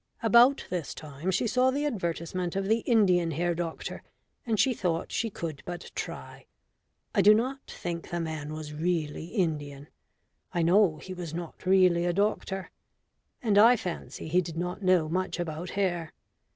About this time she saw the advertisement of the Indian hair doctor, and she thought she could but try. I do not think the man was really Indian, I know he was not really a doctor, and I fancy he did not know much about hair.